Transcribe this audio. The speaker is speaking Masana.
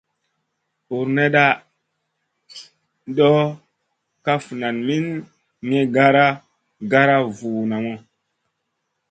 Bur NDA ndo kaf nan min gue gara vu nanu.